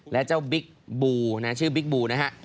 และเจ้าบิ๊กบูนะชื่อบิ๊กบูนะฮะ